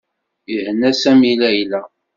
Ihenna Sami Layla.